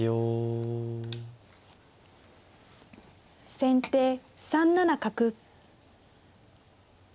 先手３七角。